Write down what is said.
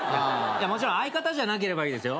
もちろん相方じゃなければいいですよ。